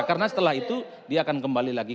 karena setelah itu dia akan kembali lagi